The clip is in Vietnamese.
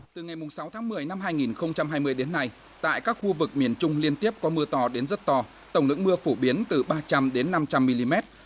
từ ngày sáu tháng một mươi năm hai nghìn hai mươi đến nay tại các khu vực miền trung liên tiếp có mưa to đến rất to tổng lượng mưa phổ biến từ ba trăm linh đến năm trăm linh mm